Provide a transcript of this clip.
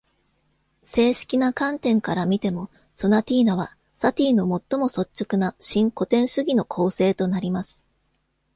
正式な観点から見てもソナティーナはサティの最も率直な新古典主義の構成となります。